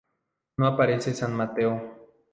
No aparece San Mateo.